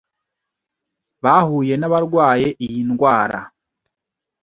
bahuye n'abarwaye iyi ndwara